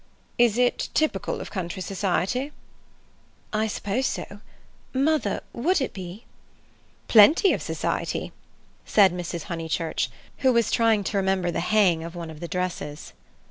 "Is it typical of country society?" "I suppose so. Mother, would it be?" "Plenty of society," said Mrs. Honeychurch, who was trying to remember the hang of one of the dresses.